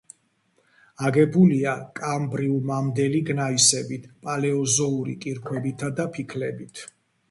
აგებულია კამბრიუმამდელი გნაისებით, პალეოზოური კირქვებითა და ფიქლებით.